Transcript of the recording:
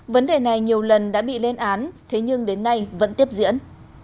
vấn đề này nhiều lần đã bị lên án thế nhưng đến nay vẫn tiếp diễn